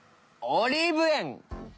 オリーブ園！